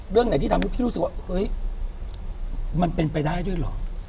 เรื่องไหนที่ทำให้พี่รู้สึกว่าเฮ้ยมันเป็นไปได้ด้วยเหรอ